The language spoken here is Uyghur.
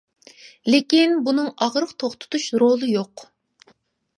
لېكىن بۇنىڭ ئاغرىق توختىتىش رولى يوق.